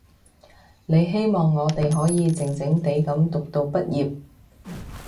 你希望我哋可以靜靜地噉讀到畢業